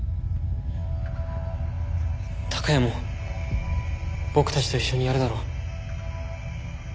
孝也も僕たちと一緒にやるだろ？